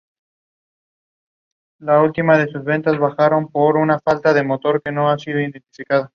Un guardia de seguridad en la puerta le impide entrar en el edificio.